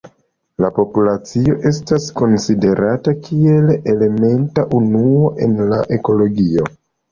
La populacio estas konsiderata kiel elementa unuo en la ekologio.